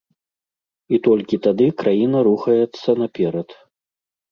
І толькі тады краіна рухаецца наперад.